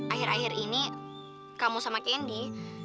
akhir akhir ini kamu sama kendi